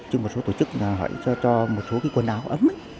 chứ một số tổ chức là phải cho một số quần áo ấm